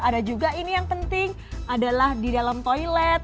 ada juga ini yang penting adalah di dalam toilet